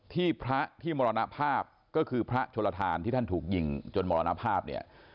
ที่พระที่มรณภาพก็คือพระโชลทานที่ท่านถูกยิงจนมรณภาพเนี่ย